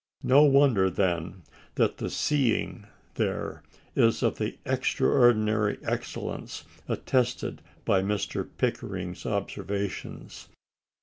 No wonder, then, that the "seeing" there is of the extraordinary excellence attested by Mr. Pickering's observations.